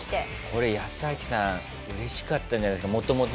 これヤスアキさん嬉しかったんじゃないですか？